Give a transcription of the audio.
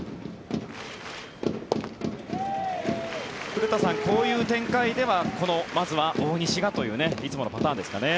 古田さん、こういう展開ではまずは大西がといういつものパターンですかね。